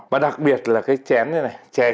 và đặc biệt là cái chén như thế này